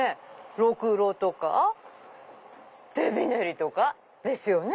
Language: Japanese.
ろくろとか手びねりとかですよね。